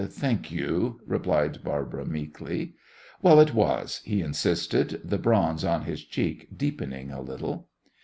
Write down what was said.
"Thank you," replied Barbara, meekly. "Well, it was!" he insisted, the bronze on his cheek deepening a little.